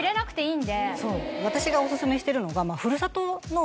私がお薦めしてるのが。